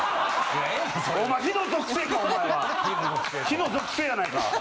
火の属性やないか。